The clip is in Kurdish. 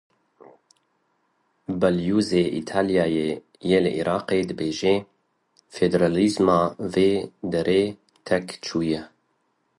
Balyozê Îtalyayê yê li Iraqê dibêje; Federalîzma vê derê têk çûye.